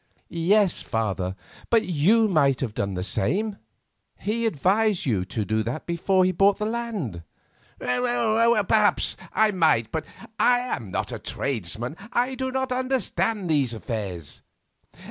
"Yes, father; but you might have done the same. He advised you to before he bought the land." "Perhaps I might, but I am not a tradesman; I do not understand these affairs.